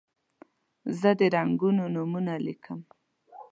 زه د رنګونو نومونه لیکم.